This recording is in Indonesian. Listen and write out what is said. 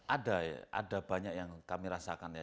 ada ya ada banyak yang kami rasakan ya